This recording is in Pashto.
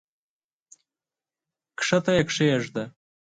کښته یې کښېږده!